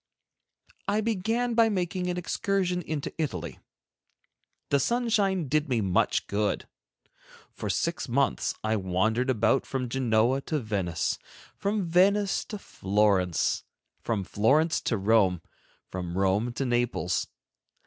II. I began by making an excursion into Italy. The sunshine did me much good. For six months I wandered about from Genoa to Venice, from Venice to Florence, from Florence to Rome, from Rome to Naples.